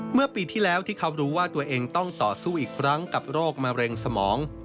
เมื่อปีที่แล้วที่เขารู้ว่าตัวเองต้องต่อสู้อีกครั้งกับโรคมะเร็งสมอง